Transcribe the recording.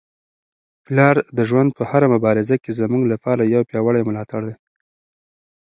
پلار د ژوند په هره مبارزه کي زموږ لپاره یو پیاوړی ملاتړی دی.